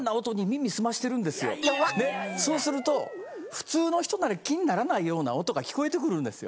そうすると普通の人なら気にならないような音が聞こえてくるんですよ。